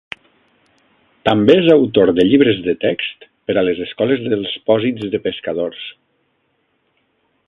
També és autor de llibres de text per a les escoles dels pòsits de pescadors.